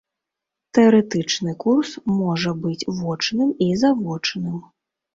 Тэарэтычны курс можа быць вочным і завочным.